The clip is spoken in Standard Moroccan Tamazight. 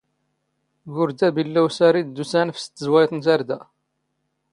ⴳ ⵓⵔⴷⴰⴱ ⵉⵍⵍⴰ ⵓⵙⴰⵔⵉⴷ ⴷ ⵓⵙⴰⵏⴼⵙ ⴷ ⵜⵥⵡⴰⵢⵜ ⵏ ⵜⴰⵔⴷⴰ.